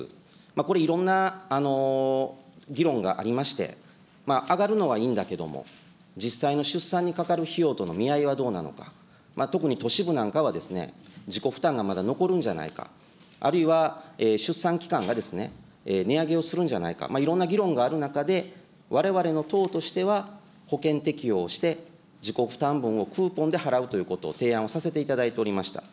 これ、いろんな議論がありまして、上がるのはいいんだけれども、実際の出産にかかる費用との見合いはどうなのか、特に都市部なんかは、自己負担がまだ残るんじゃないか、あるいは出産機関が値上げをするんじゃないか、いろんな議論がある中で、われわれの党としては保険適用して、自己負担分をクーポンで払うということを提案をさせていただいておりました。